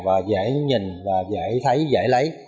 và dễ nhìn và dễ thấy dễ lấy